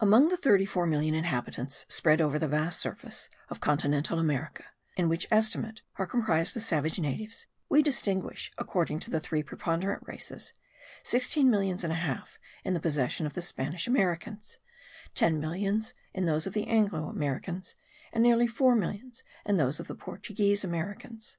Among the thirty four million inhabitants spread over the vast surface of continental America, in which estimate are comprised the savage natives, we distinguish, according to the three preponderant races, sixteen millions and a half in the possessions of the Spanish Americans, ten millions in those of the Anglo Americans, and nearly four millions in those of the Portuguese Americans.